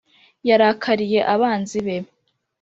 yarakariye abanzi be